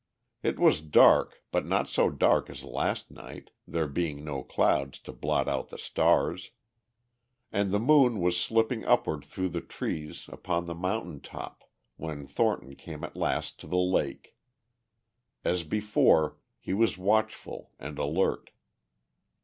It was dark, but not so dark as last night, there being no clouds to blot out the stars. And the moon was slipping upward through the trees upon the mountain top when Thornton came at last to the lake. As before, he was watchful and alert.